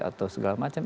atau segala macam